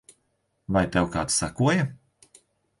Vai tev kāds sekoja?